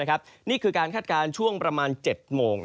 นี่คือการคาดการณ์ช่วงประมาณ๗โมง